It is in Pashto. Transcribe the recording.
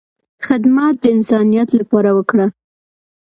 خدمت د انسانیت لپاره وکړه،